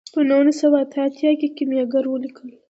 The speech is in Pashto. په نولس سوه اته اتیا کې یې کیمیاګر ولیکه.